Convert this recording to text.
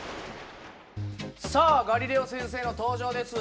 さあガリレオ先生の登場です。